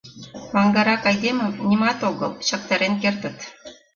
Маҥгарак айдемым, нимат огыл, чактарен кертыт.